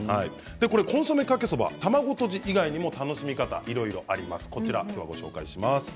コンソメかけそば卵とじ以外にも楽しみ方がいろいろあります。